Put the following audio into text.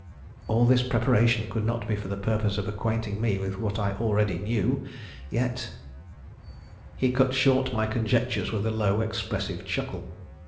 All this preparation could not be for the purpose of acquainting me with what I already knew, yet He cut short my conjectures with a low, expressive chuckle.